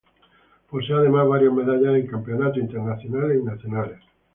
Posee además varias medallas en campeonatos internacionales y nacionales.